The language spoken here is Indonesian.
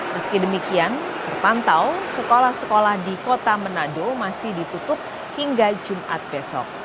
meski demikian terpantau sekolah sekolah di kota manado masih ditutup hingga jumat besok